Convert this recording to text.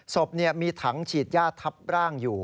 ศพมีถังฉีดยาทับร่างอยู่